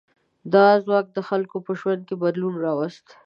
دا ځواک د خلکو په ژوند کې بدلون راوست.